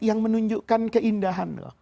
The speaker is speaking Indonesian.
yang menunjukkan keindahan loh